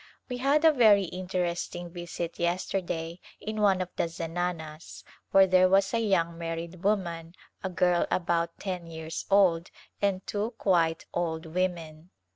We had a very interesting visit yesterday in one of the zananas where there was a young married woman, a girl about ten years old, and two quite old women.